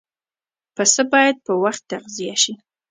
پسه باید په وخت تغذیه شي.